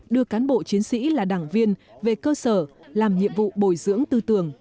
đưa cán bộ chiến sĩ là đảng viên về cơ sở làm nhiệm vụ bồi dưỡng tư tưởng